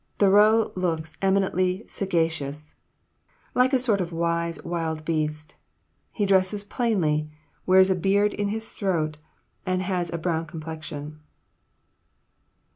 Thoreau looks eminently sagacious like a sort of wise, wild beast. He dresses plainly, wears a beard in his throat, and has a brown complexion."